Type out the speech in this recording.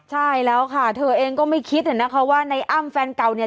ใช่แล้วค่ะเธอเองก็ไม่คิดเหมือนนะฮะว่าไอนั่งแฟนเก่าเนี่ย